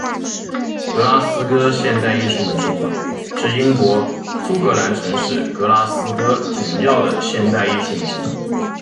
格拉斯哥现代艺术美术馆是英国苏格兰城市格拉斯哥主要的现代艺术美术馆。